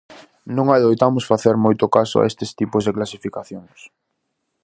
Non adoitamos facer moito caso a estes tipos de clasificacións.